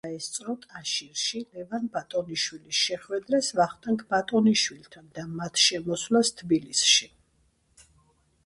იგი დაესწრო ტაშირში ლევან ბატონიშვილის შეხვედრას ვახტანგ ბატონიშვილთან და მათ შემოსვლას თბილისში.